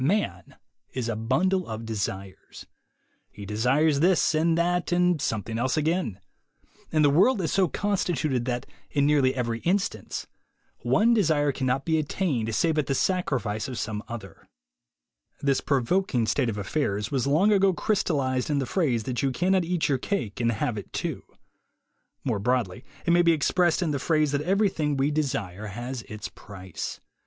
Man is a bundle of desires. He desires this, and that, and something else again. And the world is so constituted that, in nearly every instance, one desire cannot be attained save at the sacrifice of some other. This provoking state of affairs was long ago crystallized in the phrase that you cannot eat your cake and have it too. More broadly, it may be expressed in the phrase that everything we desire has its price.